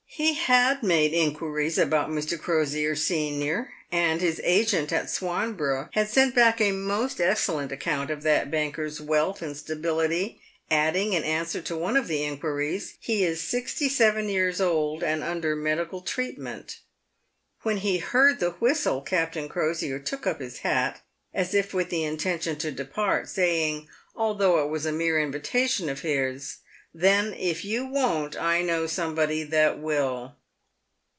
He had made inquiries about Mr. Crosier, senior, and his agent at Swanborough had sent back a most excellent account of that banker's wealth and stability, adding, in answer to one of the inquiries, " He is sixty seven years old, and under medical treatment." "When he heard the whistle, Captain Crosier took up his hat, as if with the intention to depart, saying, although it was a mere invention of his, "Then, if you won't, I know somebody that will."